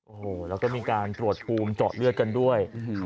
โอ้โหแล้วก็มีการตรวจภูมิเจาะเลือดกันด้วย